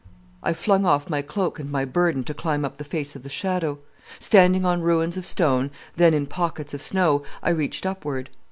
"I flung off my cloak and my burden to climb up the face of the shadow. Standing on rims of stone, then in pockets of snow, I reached upward.